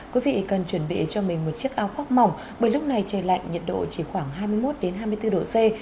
quý vị cần chuẩn bị cho mình một chiếc áo khoác mỏng bởi lúc này trời lạnh nhiệt độ chỉ khoảng hai mươi một hai mươi bốn độ c